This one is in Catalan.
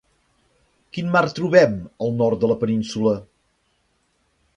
Quin mar trobem al nord de la península?